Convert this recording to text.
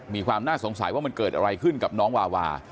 มีความน่าสงสัยว่ามันเกิดอะไรขึ้นกับน้องวาวา